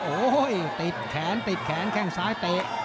โอ้โหติดแขนติดแขนแข้งซ้ายเตะ